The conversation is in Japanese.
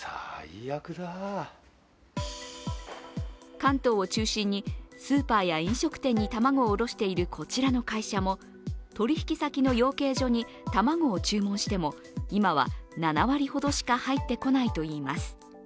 関東を中心にスーパーや飲食店に卵を卸しているこちらの会社も取引先の養鶏所に卵を注文しても今は７割ほどしか入ってこないといいます。